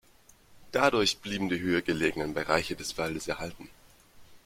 Dadurch blieben die höher gelegenen Bereiche des Waldes erhalten.